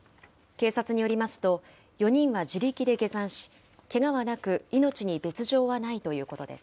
警察によりますと、４人は自力で下山し、けがはなく、命に別状はないということです。